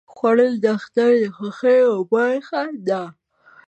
خوړل د اختر د خوښیو برخه ده